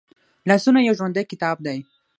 لاسونه یو ژوندی کتاب دی